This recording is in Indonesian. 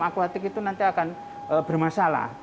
akuatik itu nanti akan bermasalah